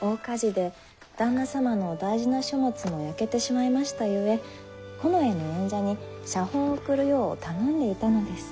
大火事で旦那様の大事な書物も焼けてしまいましたゆえ近衛の縁者に写本を送るよう頼んでいたのです。